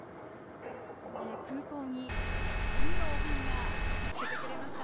空港にたくさんのファンが駆けつけてくれました。